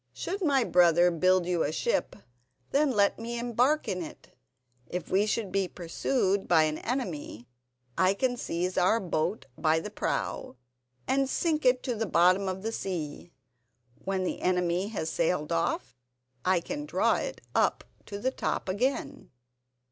Should my brother build you a ship, then let me embark in it. If we should be pursued by an enemy I can seize our boat by the prow and sink it to the bottom of the sea. When the enemy has sailed off, I can draw it up to the top again."